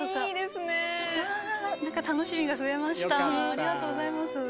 ありがとうございます。